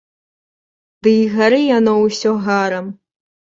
Ды і гары яно ўсё гарам.